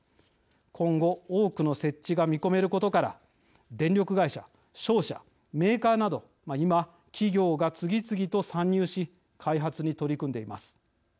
今後、多くの設置が見込めることから電力会社、商社、メーカーなど今、企業が次々と参入し開発に取り組んでいます。